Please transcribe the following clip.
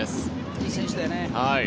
いい選手だよね。